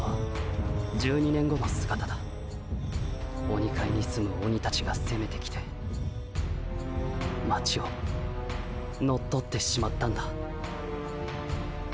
鬼界に住む鬼たちがせめてきて町を乗っ取ってしまったんだ。